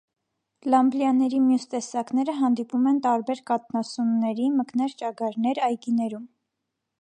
Լամբլիաների մյուս տեսակները հանդիպում են տարբեր կաթնասունների (մկներ, ճագարներ) այգիներում։